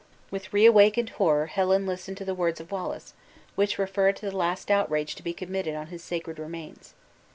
With reawakened horror Helen listened to the words of Wallace, which referred to the last outrage to be committed on his sacred remains.